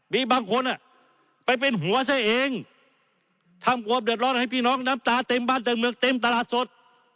มีบางคนไปเป็นหัวซะเองทำความเดือดร้อนให้พี่น้องน้ำตาเต็มบ้านเต็มเมืองเต็มตลาดสด